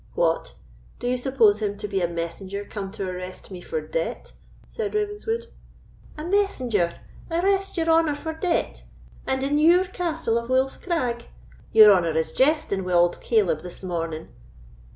"What! do you suppose him to be a messenger come to arrest me for debt?" said Ravenswood. "A messenger arrest your honour for debt, and in your Castle of Wolf's Crag! Your honour is jesting wi' auld Caleb this morning."